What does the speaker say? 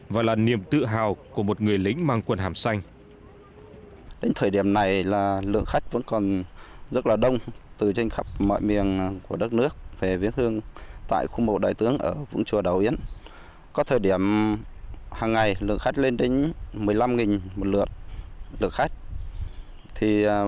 và niềm tự hào của một người lính mang quần hàm xanh